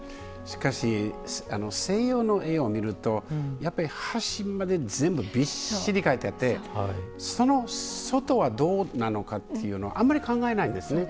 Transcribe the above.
しかし西洋の絵を見るとやっぱり端まで全部びっしり描いてあってその外はどうなのかっていうのをあんまり考えないんですね。